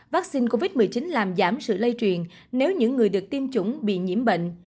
vaccine covid một mươi chín làm giảm sự lây truyền nếu những người được tiêm chủng bị nhiễm bệnh